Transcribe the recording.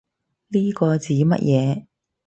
呢個指乜嘢